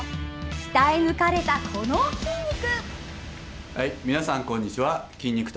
鍛え抜かれたこの筋肉！